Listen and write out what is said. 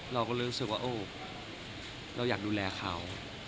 เราก็รู้สึกว่าเราอยากดูแลเขา